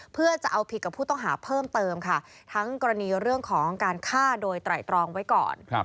เพื่อจะเอาผิดกับผู้ต้องหาเพิ่มเติมค่ะทั้งกรณีเรื่องของการฆ่าโดยไตรตรองไว้ก่อน